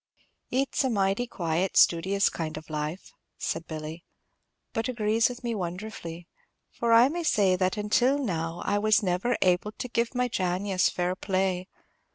"It's a mighty quiet studious kind of life," said Billy, "but agrees with me wonderfully; for I may say that until now I never was able to give my 'janius' fair play.